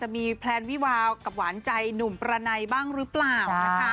มีแพลนวิวากับหวานใจหนุ่มประไนบ้างหรือเปล่านะคะ